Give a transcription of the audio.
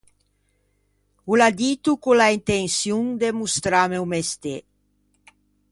O l’à dito ch’o l’à intençion de mostrâme o mestê.